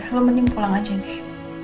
kalau mending pulang aja deh